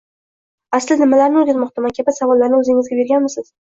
aslida nimalarni o‘rgatmoqdaman” kabi savollarni o‘zingizga berganmisiz?